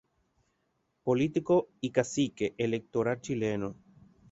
Político y "cacique" electoral chileno.